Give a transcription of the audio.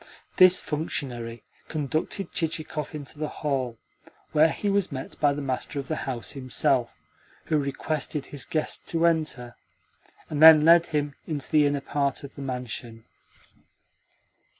This functionary conducted Chichikov into the hall, where he was met by the master of the house himself, who requested his guest to enter, and then led him into the inner part of the mansion.